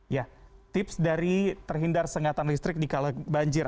ya tips dari terhindar sengatan listrik di kala banjir